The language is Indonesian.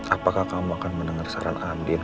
apakah kamu akan mendengar saran adit